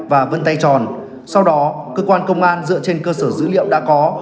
và vân tay tròn sau đó cơ quan công an dựa trên cơ sở dữ liệu đã có